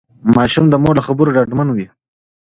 ماشوم د مور له خبرو ډاډمن وي.